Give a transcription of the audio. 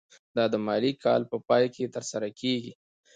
دا د مالي کال په پای کې ترسره کیږي.